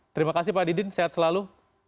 terima kasih pak didin sehat selalu